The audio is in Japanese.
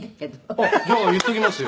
「じゃあ言っておきますよ」